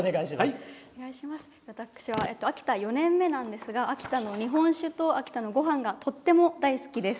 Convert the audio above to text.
私は秋田４年目なんですが秋田の日本酒と、秋田のごはんがとっても大好きです。